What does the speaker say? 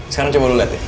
sekarang coba lu liat ya